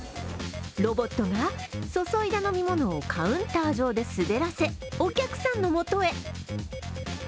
ロボットが注いだ飲み物をカウンター上で滑らせお客さんのもとへ。